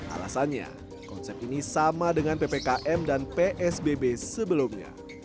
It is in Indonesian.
alasannya konsep ini sama dengan ppkm dan psbb sebelumnya